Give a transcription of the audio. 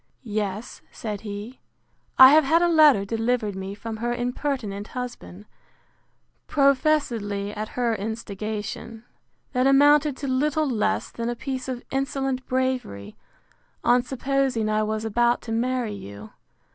Yes, said he; I have had a letter delivered me from her impertinent husband, professedly at her instigation, that amounted to little less than a piece of insolent bravery, on supposing I was about to marry you.